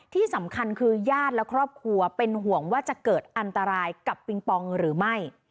ที่สำคัญคือญาติและครอบครัวเป็นห่วงว่าจะเกิดอันตรายกับปิงปองหรือไม่